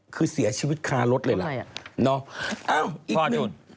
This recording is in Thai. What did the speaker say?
คือเสียชีวิตคารถเลยล่ะเอ้าอีกหนึ่ง